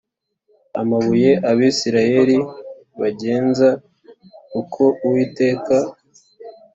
amabuye Abisirayeli bagenza uko Uwiteka